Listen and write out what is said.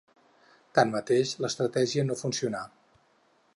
Tanmateix, l'estratègia no funcionà.